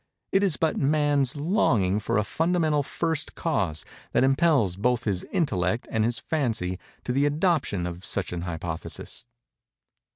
It is but Man's longing for a fundamental First Cause, that impels both his intellect and his fancy to the adoption of such an hypothesis."